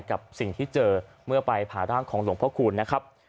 กับสิ่งที่เจอเมื่อไปผ่าร่างของหลวงพระคูณนะครับ